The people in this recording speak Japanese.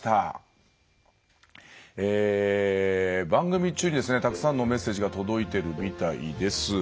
番組中、たくさんのメッセージが届いてるみたいです。